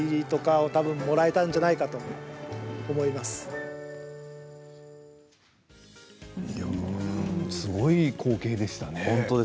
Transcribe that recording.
すごい光景でしたね。